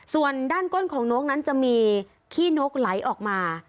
ส่วนด้านก้นของนกนั้นจะมีขี้นกไหลออกมา